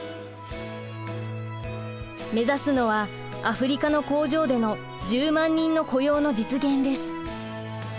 目指すのはアフリカの工場での１０万人の雇用の実現です。